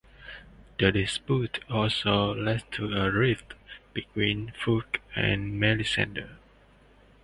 The dispute also led to a rift between Fulk and Melisende.